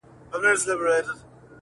ګیدړ سمدستي پنیر ته ورحمله کړه-